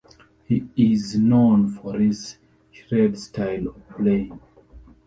He is known for his shred style of playing.